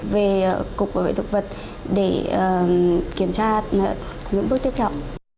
về cục bảo vệ thực vật để kiểm tra những bước tiếp theo